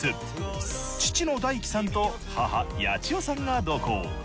父の太基さんと母八千代さんが同行。